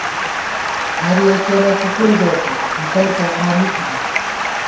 ہر یَکِیَنہ کُکُڑ ݫوتہ ، ڈِکَئیکاں آں می تھنَئیم